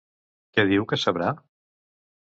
Què diu que sabrà?